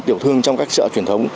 tiểu thương trong các chợ truyền thống